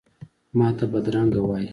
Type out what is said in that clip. ماته بدرنګه وایې،